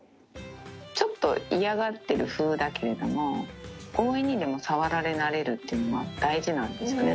ちょっと嫌がってるふうだけれども、強引にでも触られなれるというのも大事なんですよね。